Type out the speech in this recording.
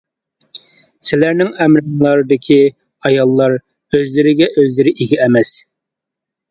سىلەرنىڭ ئەمرىڭلاردىكى ئاياللار ئۆزلىرىگە ئۆزلىرى ئىگە ئەمەس.